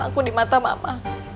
aku di mata mama